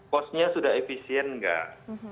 costnya sudah efisien nggak